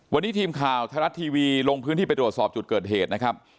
วันนี้ทีมข่าวไทยรัฐทีวีลงพื้นที่ไปตรวจสอบจุดเกิดเหตุนะครับ